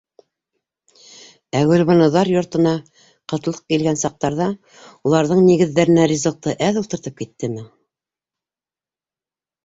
Ә Гөлбаныуҙар йортона ҡытлыҡ килгән саҡтарҙа уларҙың нигеҙҙәренә ризыҡты әҙ ултыртып киттеме?